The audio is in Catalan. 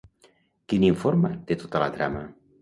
Qui n'informa, de tota la trama?